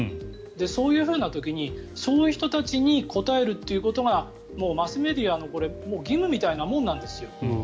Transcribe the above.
そういうふうな時にそういう人たちに応えるということがもうマスメディアの義務みたいなもんなんですよ。